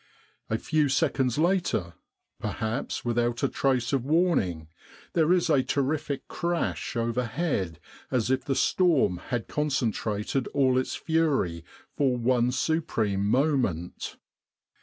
A few seconds later, perhaps without a trace of warning, there is a terrific crash overhead as if the storm had concentrated all its fury for one supreme moment.